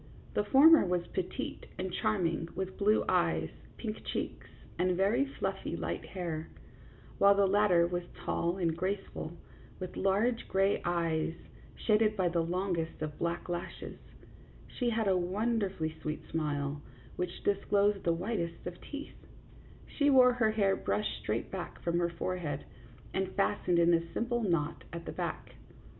The former was petite and charm ing, with blue eyes, pink cheeks, and very fluffy light hair; while the latter was tall and graceful, with large gray eyes, shaded by the longest of black lashes ; she had a wonderfully sweet smile, which disclosed the whitest of teeth; she wore her hair brushed straight back from her forehead, and fastened in a simple knot at the back.